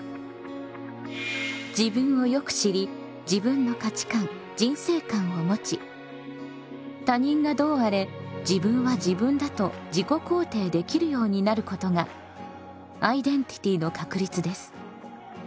自分をよく知り自分の価値観・人生観をもち他人がどうあれ「自分は自分だと自己肯定」できるようになることがアイデンティティの確立です。